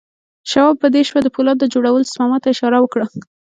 شواب په دې شپه د پولاد جوړولو سپما ته اشاره وکړه